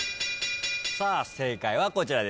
さあ正解はこちらです。